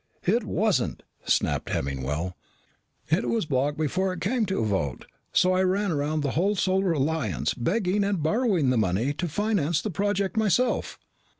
"It wasn't," snapped Hemmingwell. "It was blocked before it came to a vote. So I ran around the whole Solar Alliance, begging and borrowing the money to finance the project myself."